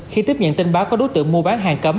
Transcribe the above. khi tiếp nhận tin báo có đối tượng mua bán hàng cấm